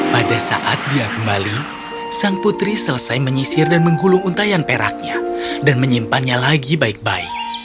pada saat dia kembali sang putri selesai menyisir dan menggulung untayan peraknya dan menyimpannya lagi baik baik